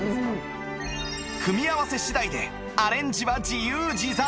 組み合わせ次第でアレンジは自由自在！